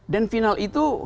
dan final itu